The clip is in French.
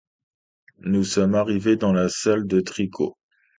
nous sommes arrivées dans sa salle de tricot.